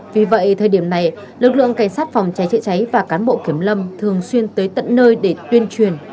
vì vậy thời điểm này lực lượng cảnh sát phòng cháy chữa cháy và cán bộ kiểm lâm thường xuyên tới tận nơi để tuyên truyền